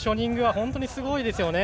本当にすごいですね。